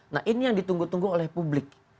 nah ini yang ditunggu tunggu oleh publik